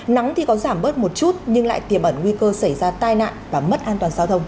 nắng thì có giảm bớt một chút nhưng lại tiềm ẩn nguy cơ xảy ra tai nạn và mất an toàn giao thông